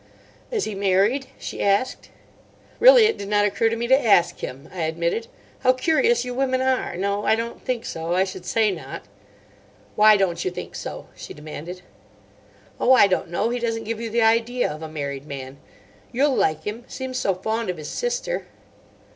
"Is he married?" she asked. "Really, it did not occur to me to ask him," I admitted. "How curious you women are! No, I don't think so. I should say not." "Why don't you think so?" she demanded. "Oh, I don't know. He doesn't give you the idea of a married man. You'll like him. Seems so fond of his sister."